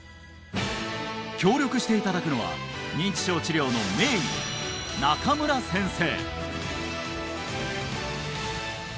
協力していただくのは認知症治療の名医中村先生